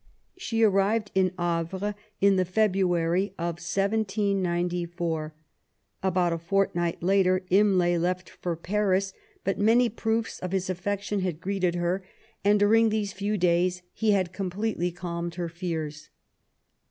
She arrived in Havre in the February of 1794. About a fortnight later Imlay left for Paris, but many •proofs of his affection had greeted her, and during these few days he had completely calmed her fears.